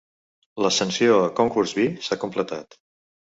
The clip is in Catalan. L'ascensió a "Concourse B" s'ha completat.